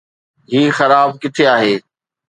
هي خراب ڪٿي آهي؟